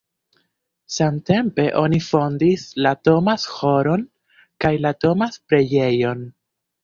Samtempe oni fondis la Thomas-ĥoron kaj la Thomas-preĝejon.